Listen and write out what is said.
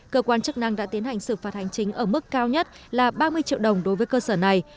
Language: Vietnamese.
cơ quan chức năng đã tiến hành xử phạt hành chính ở mức cao nhất là ba mươi triệu đồng đối với cơ sở này